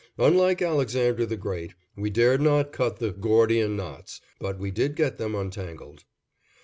Unlike Alexander the Great, we dared not cut the "Gordian Knots," but we did get them untangled.